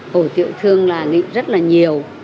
hồ tiệu thương là rất là nhiều